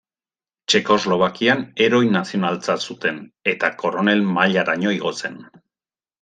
Txekoslovakian heroi nazionaltzat zuten, eta koronel mailaraino igo zen.